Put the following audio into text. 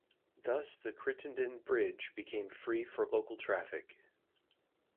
Thus the Crittenden Bridge became free for local traffic.